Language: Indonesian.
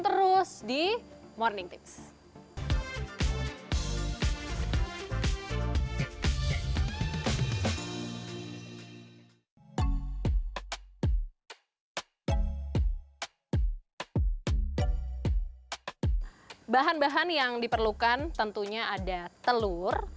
terus di morning tips bahan bahan yang diperlukan tentunya ada telur